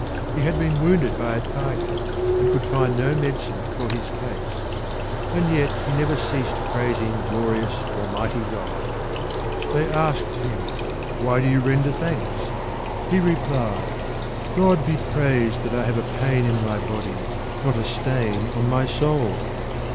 He had been wounded by a tiger, and could find no medicine for his case. And yet he never ceased praising glorious Almighty God. They asked him: " Why do you render thanks ?" He replied, " God be praised that I have a pain in my body not a stain on my soul !